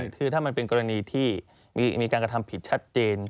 คือถ้ามันเป็นกรณีที่มีการกระทำผิดชัดเจน